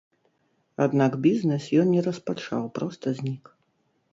Аднак бізнес ён не распачаў, проста знік.